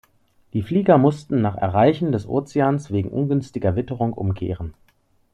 Die Flieger mussten nach Erreichen des Ozeans wegen ungünstiger Witterung umkehren.